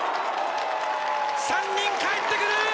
３人かえってくる。